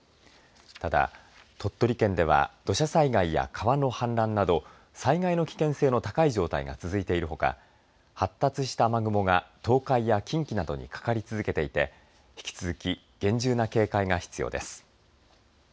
ただ、鳥取県では土砂災害や川の氾濫など災害の危険性が高い状態が続いているほか発達した雨雲が東海や近畿などにかかり続けていて引き続き厳重な警戒が必要です。